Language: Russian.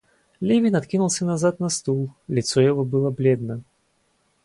Левин откинулся назад на стул, лицо его было бледно.